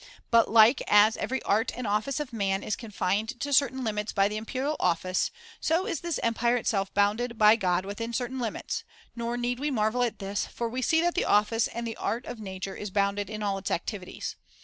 But like as every art and office of man is confined to certain limits by the imperial office, so is this empire itself bounded by God within certain limits ; nor need we marvel at this, for we see that the office and the art of ] nature is bounded in all its activities.